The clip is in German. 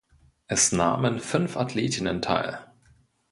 Es nahmen fünf Athletinnen teil.